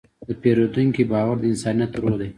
د پیرودونکي باور د انسانیت روح دی.